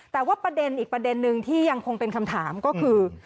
แต่ว่าประเด็นอีกประเด็นนึงที่ยังคงเป็นคำถามก็คือ